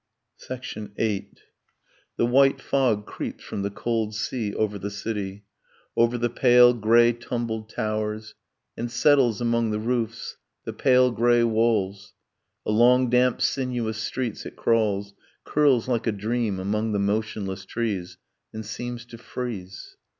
VIII. The white fog creeps from the cold sea over the city, Over the pale grey tumbled towers, And settles among the roofs, the pale grey walls. Along damp sinuous streets it crawls, Curls like a dream among the motionless trees And seems to freeze.